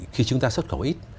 khi chúng ta xuất khẩu ít